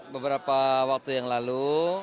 beberapa waktu yang lalu